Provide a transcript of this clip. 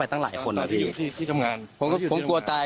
ผมขอโทษนะครับว่า